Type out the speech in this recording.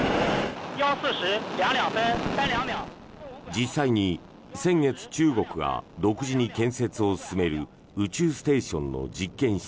実際に先月中国が独自に建設を進める宇宙ステーションの実験施